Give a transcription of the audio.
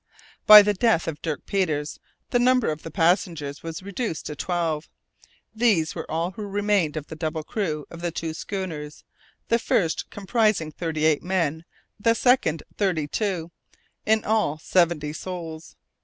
By the death of Dirk Peters the number of the passengers was reduced to twelve. These were all who remained of the double crew of the two schooners, the first comprising thirty eight men, the second, thirty two; in all seventy souls.